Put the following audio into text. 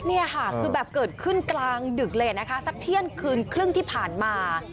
นี่ค่ะคือแบบเกิดขึ้นกลางดึกเลยนะคะสักเที่ยงคืนครึ่งที่ผ่านมา